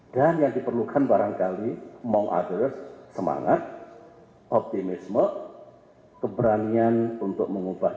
dan yang diperlukan barangkali among others semangat optimisme keberanian untuk mengubah